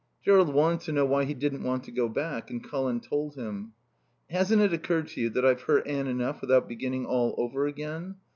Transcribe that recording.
Jerrold wanted to know why he didn't want to go back and Colin told him. "Hasn't it occurred to you that I've hurt Anne enough without beginning all over again?